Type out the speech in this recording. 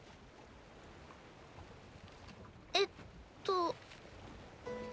えっと。